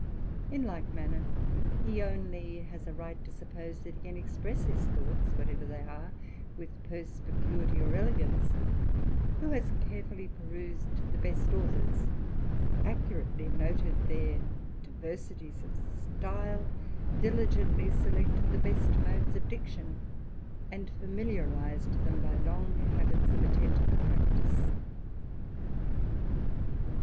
In like manner, he only has a right to suppose that he ^^ express his thoughts, whatever they are, with perspicuity ^^ elegance, who has carefully perused the best authors, *^curately noted their diversities of style, diligently selected ^^ best modes of diction, and familiarized them by long •^^bits of attentive practice.